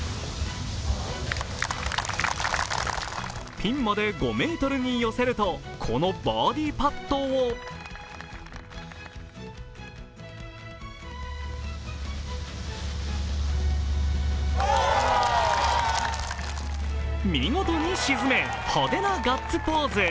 ピンまで５ｍに寄せると、このバーディーパットを見事に沈め、派手なガッツポーズ。